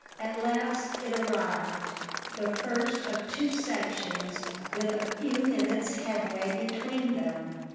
At last it arrived, the first of two sections, with a few minutes' headway between them.